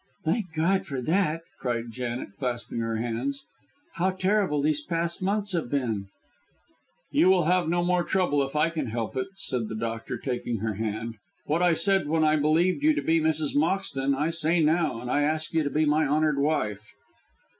"Thank God for that!" cried Janet, clasping her hands. "Oh, how terrible these past months have been!" "You will have no more trouble if I can help it," said the doctor, taking her hand. "What I said when I believed you to be Mrs. Moxton, I say now; and I ask you to be my honoured wife."